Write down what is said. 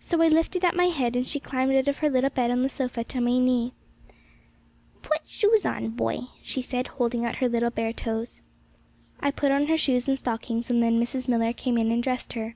So I lifted up my head, and she climbed out of her little bed on the sofa on to my knee. 'Put shoes on, boy,' she said, holding out her little bare toes. I put on her shoes and stockings, and then Mrs. Millar came in and dressed her.